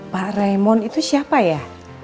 pak raimon itu siapa ya